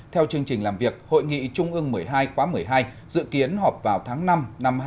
theo chương trình làm việc hội nghị trung ương một mươi hai quá một mươi hai dự kiến họp vào tháng năm năm hai nghìn hai mươi